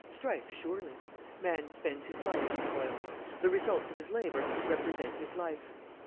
Strife, surely! Man spends his life in toil; the results of his labour represent his life.